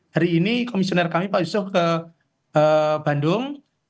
hari ini komisioner kami pak yusuf ke bandung